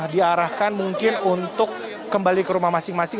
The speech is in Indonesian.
diarahkan mungkin untuk kembali ke rumah masing masing